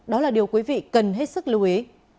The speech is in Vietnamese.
đó là điều quý vị cần hết sức lưu ý